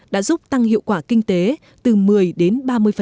đã giúp tăng hiệu quả kinh tế từ một mươi đến ba mươi